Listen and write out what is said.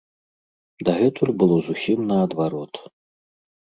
Дагэтуль было зусім наадварот.